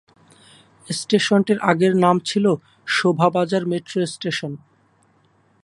স্টেশনটির আগেকার নাম ছিল "শোভাবাজার মেট্রো স্টেশন"।